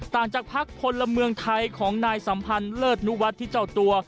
จากพักพลเมืองไทยของนายสัมพันธ์เลิศนุวัฒน์ที่เจ้าตัว